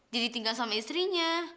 jadi tinggal sama istrinya